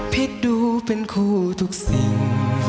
ดูเป็นคู่ทุกสิ่ง